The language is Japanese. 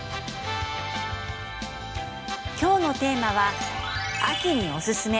今日のテーマは秋におすすめ！